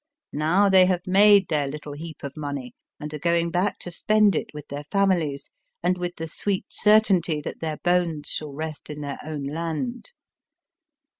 Now they have made their little heap of money, and are going back to spend it with their famiUes and with the sweet certainty that their bones shall rest in their own land.